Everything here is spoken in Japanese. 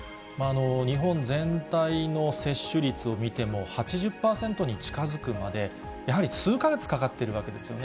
日本全体の接種率を見ても、８０％に近づくまで、やはり数か月かかっているわけですね。